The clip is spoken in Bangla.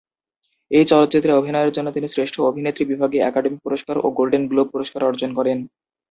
এই চলচ্চিত্রে অভিনয়ের জন্য তিনি শ্রেষ্ঠ অভিনেত্রী বিভাগে একাডেমি পুরস্কার ও গোল্ডেন গ্লোব পুরস্কার অর্জন করেন।